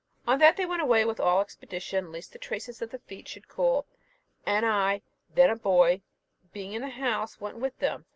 On that they went away with all expedition, lest the traces of the feet should cool; and I, then a boy, being in the house, went with them.